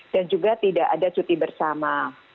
dan juga tidak ada cuti bersama